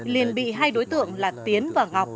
liền bị hai đối tượng là tiến và ngọc